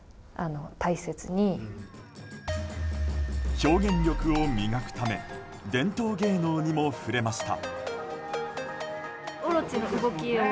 表現力を磨くため伝統芸能にも触れました。